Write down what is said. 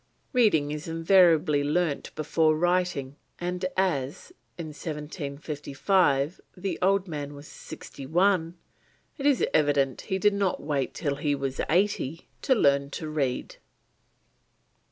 Reading is invariably learnt before writing, and as in 1755 the old man was sixty one, it is evident he did not wait till he was eighty to learn to read.